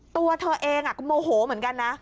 ตัวเธอเองก็โมโหเหมือนกันนะ